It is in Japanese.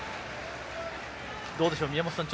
どうでしょう、宮本さん